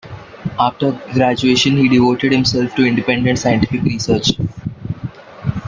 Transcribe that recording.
After graduation, he devoted himself to independent scientific research.